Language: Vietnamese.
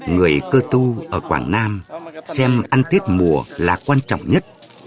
người cơ tu ở quảng nam xem ăn tiết mùa là quan trọng nhất